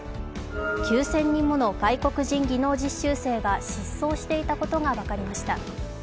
９０００人もの外国人技能実習生が失踪していたことが分かりました。